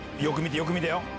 よく見てよ。